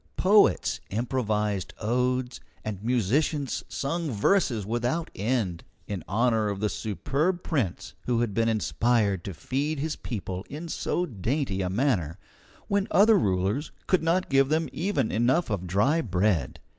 Poets improvised odes, and musicians sung verses without end, in honour of the superb prince who had been inspired to feed his people in so dainty a manner, when other rulers could not give them enough even of dry bread.